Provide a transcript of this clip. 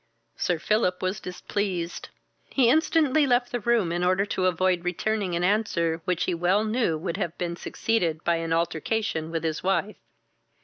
Sir Philip was displeased; he instantly left the room in order to avoid returning an answer which he well knew would have been succeeded by an altercation with his wife.